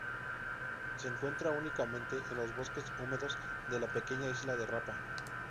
Se encuentra únicamente en los bosques húmedos de la pequeña isla de Rapa.